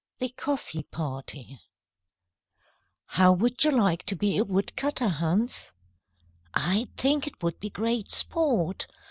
THE COFFEE PARTY "HOW would you like to be a wood cutter, Hans?" "I think it would be great sport.